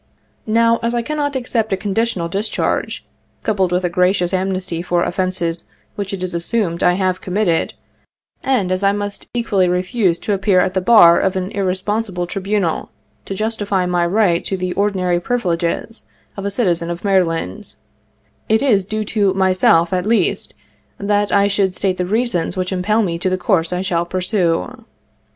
Now, as I cannot accept a conditional discharge, coupled with a gracious amnesty for offences which it is assumed I have committed, and as I must equally refuse to appear at the bar of an irresponsible tribunal to justify my right to the ordinary privileges of a citizen of Maryland, it is due to myself, at least, that I should state the reasons which impel me to the course I shall pursue.